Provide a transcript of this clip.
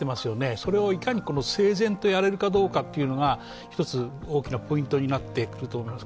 それをいかに整然とやれるかどうかが１つ大きなポイントになってくると思います。